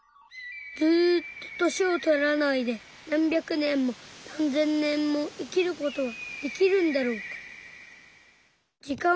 ずっと年をとらないで何百年も何千年も生きる事はできるんだろうか。